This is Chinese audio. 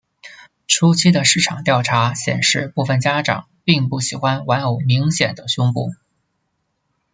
初期的市场调查显示部份家长并不喜欢玩偶明显的胸部。